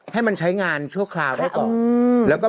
ให้มันใช้งานชั่วคราวได้ก่อน